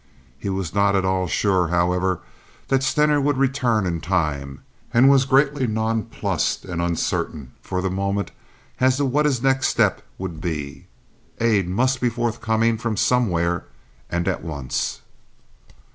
He was not at all sure, however, that Stener would return in time and was greatly nonplussed and uncertain for the moment as to what his next step would be. Aid must be forthcoming from somewhere and at once.